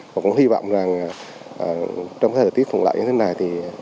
và cũng hy vọng rằng trong thời tiết còn lại như thế này